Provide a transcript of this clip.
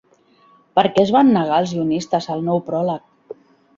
Per què es van negar els guionistes al nou pròleg?